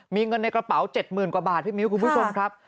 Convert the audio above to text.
มีเงินในกระเป๋า๗๐๐กว่าบาทพี่มิ้วคุณผู้ชมครับ